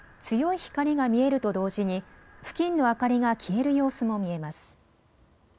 強い光が見えると同時に付近の明かりが消える様子も見えます。